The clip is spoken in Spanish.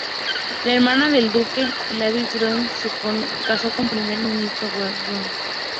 La hermana del duque, Lady Dorothy, se casó con el Primer Ministro Harold Macmillan.